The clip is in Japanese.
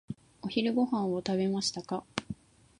お昼ご飯を食べましたか？